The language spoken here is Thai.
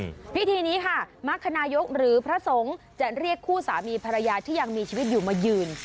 พิธีนี้ค่ะมรรคนายกหรือพระสงฆ์จะเรียกคู่สามีภรรยาที่ยังมีชีวิตอยู่มายืน